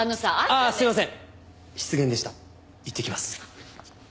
いってきます。